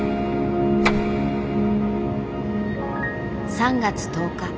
３月１０日。